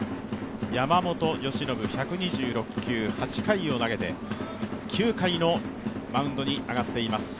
山本由伸、１２６球、８回を投げて９回のマウンドに上がっています。